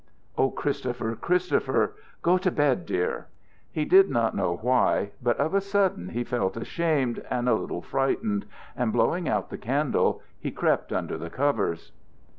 "Oh, Christopher, Christopher Go to bed, dear." He did not know why, but of a sudden he felt ashamed and a little frightened, and, blowing out the candle, he crept under the covers.